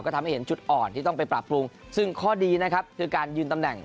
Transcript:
ก็ทำให้เห็นจุดอ่อนที่ต้องไปปรับปรุงซึ่งข้อดีนะครับคือการยืนตำแหน่ง